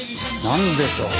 何でしょう？